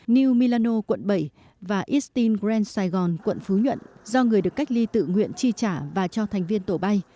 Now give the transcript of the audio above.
new milano quận bảy và eastin grand saigon quận phú nhuận do người được cách ly tự nguyện chi trả và cho thành viên tổ bay